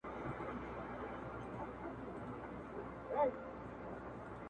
خو باور ستا په ورورۍ به څنگه وکړم،